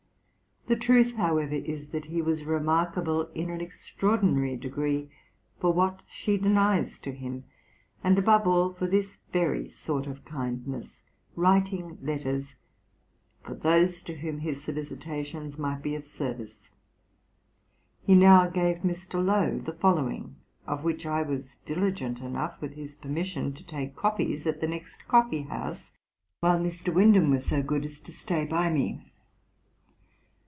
The truth, however, is, that he was remarkable, in an extraordinary degree, for what she denies to him; and, above all, for this very sort of kindness, writing letters for those to whom his solicitations might be of service. He now gave Mr. Lowe the following, of which I was diligent enough, with his permission, to take copies at the next coffee house, while Mr. Windham was so good as to stay by me.